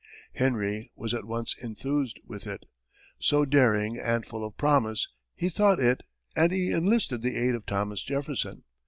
Henry was at once enthused with it, so daring and full of promise he thought it, and he enlisted the aid of Thomas Jefferson.